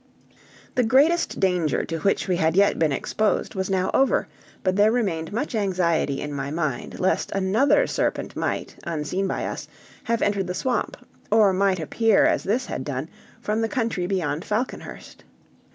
The greatest danger to which we had yet been exposed was now over, but there remained much anxiety in my mind lest another serpent might, unseen by us, have entered the swamp, or might appear, as this had done, from the country beyond Falconhurst.